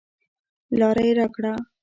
لاره یې راکړه.